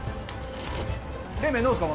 冷麺どうすか？